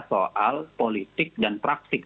soal politik dan praktik